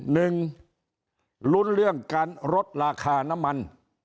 หนึ่งลุ้นเรื่องการลดราคาน้ำมัน